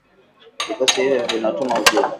Vikosi hivyo vinatuma ujumbe